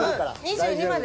２２まで。